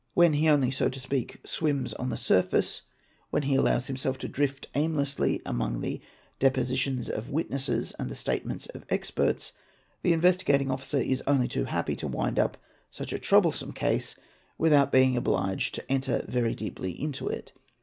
When he only so to spea =. "swims" on the surface, when he allows himself to drift aimlessly among 7 the depositions of witnesses and the statements of experts, the Investi gating Officer is only too happy to wind up such a troublesome cast without being obliged to enter very deeply into it.